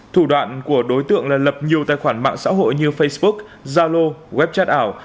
thủ đoạn của đối tượng là lập nhiều tài khoản mạng xã hội như facebook zalo webchat ảo